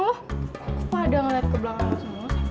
kok pada ngeliat ke belakang lo semua